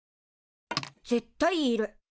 絶対いる。